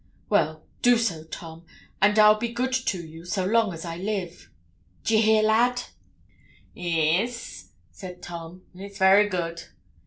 'Well, do so, Tom, and I'll be good to you so long as I live.' 'D'ye hear, lad?' 'E'es,' said Tom; 'it's very good.'